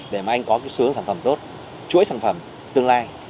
để mà anh có cái sướng sản phẩm tốt chuỗi sản phẩm tương lai